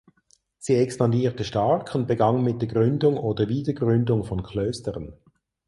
Sie expandierte stark und begann mit der Gründung oder Wiedergründung von Klöstern.